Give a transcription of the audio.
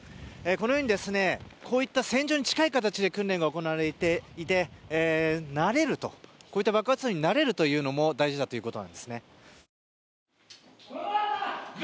このようにこういった戦場に近い形で訓練が行われていて慣れると、こういった爆発音に慣れるということも大事だということなんですね。